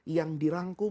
yang ada di dalam al quran